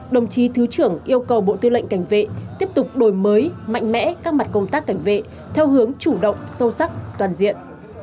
đồng chí thứ trưởng yêu cầu bộ tư lệnh cảnh vệ tiếp tục đổi mới mạnh mẽ các mặt công tác cảnh vệ theo hướng chủ động sâu sắc toàn diện